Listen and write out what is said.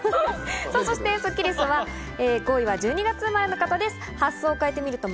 そしてスッキりす、５位は１２月生まれの方です。